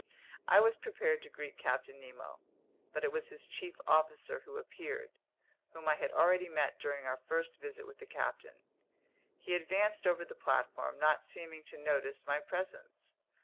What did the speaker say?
I was prepared to greet Captain Nemo, but it was his chief officer who appeared—whom I had already met during our first visit with the captain. He advanced over the platform, not seeming to notice my presence.